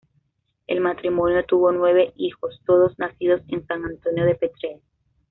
El matrimonio tuvo nueve hijos, todos nacidos en San Antonio de Petrel.